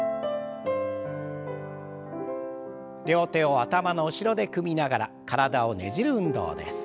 両手を頭の後ろで組みながら体をねじる運動です。